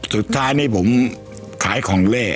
สุดท้ายนี่ผมขายของเล่